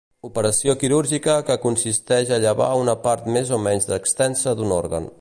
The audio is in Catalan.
Operació quirúrgica que consisteix a llevar una part més o menys extensa d'un òrgan.